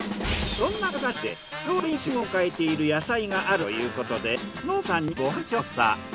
そんな加賀市でちょうど今旬を迎えている野菜があるということで農家さんにご飯調査。